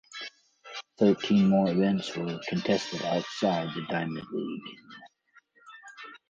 Thirteen more events were contested outside the Diamond League.